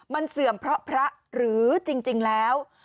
มันเสื่อมเพราะพระหรือจริงแล้ว